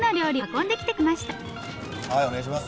うんお願いします。